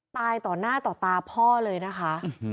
ตายต่อหน้าต่อตาพ่อเลยนะคะ